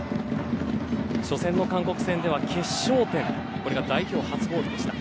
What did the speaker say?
初戦の韓国戦では決勝点これが代表初ゴールでした。